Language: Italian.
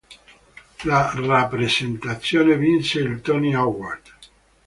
La rappresentazione vinse il Tony Award.